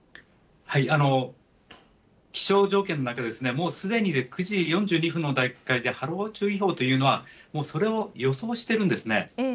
気象条件の中で、もうすでに９時４２分の段階で波浪注意報というのは、もうそれを予想してるんですね。